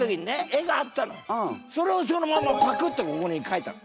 それをそのままパクってここにかいたの。